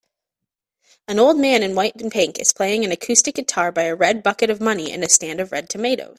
An old man in white and pink is playing an acoustic guitar by a red bucket of money and a stand of red tomatoes